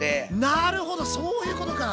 なるほどそういうことか！